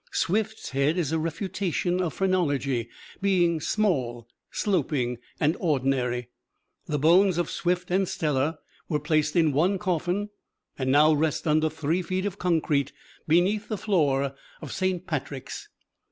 Swift's head is a refutation of phrenology, being small, sloping and ordinary. The bones of Swift and Stella were placed in one coffin, and now rest under three feet of concrete, beneath the floor of Saint Patrick's.